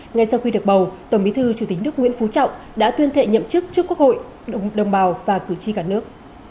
ngay sau khi được bầu tổng bí thư chủ tịch nước nguyễn phú trọng đã tuyên thệ nhậm chức trước quốc hội đồng bào và cử tri cả nước